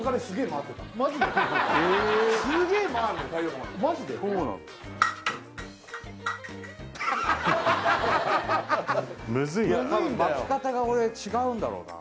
巻き方が俺違うんだろうな